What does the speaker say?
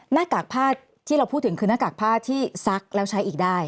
หน้ากากผ้าที่เราพูดถึงคือหน้ากากผ้าที่ซักแล้วใช้อีกได้